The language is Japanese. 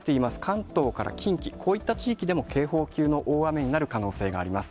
関東から近畿、こういった地域でも警報級の大雨になる可能性があります。